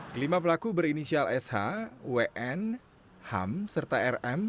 kelima pelaku berinisial sh wn ham serta rm